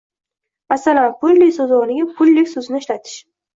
Masalan, pulli soʻzi oʻrniga pullik soʻzini ishlatish